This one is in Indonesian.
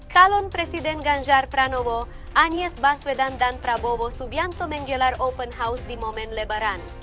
talon presiden ganjar pranowo anies baswedan dan prabowo subianto menggelar open house di momen lebaran